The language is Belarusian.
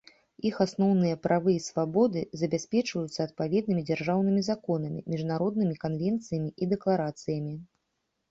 Іх асноўныя правы і свабоды забяспечваюцца адпаведнымі дзяржаўнымі законамі, міжнароднымі канвенцыямі і дэкларацыямі.